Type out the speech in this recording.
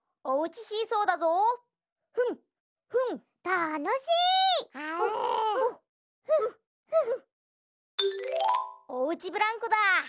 おうちブランコだ！